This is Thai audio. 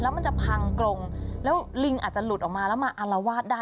แล้วมันจะพังกรงแล้วลิงอาจจะหลุดออกมาแล้วมาอารวาสได้